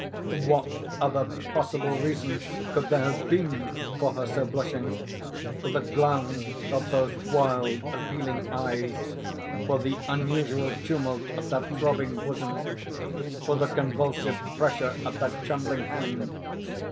What other possible reason could there have been for her so blushing?—for the glance of those wild appealing eyes?—for the unusual tumult of that throbbing bosom?—for the convulsive pressure of that trembling hand?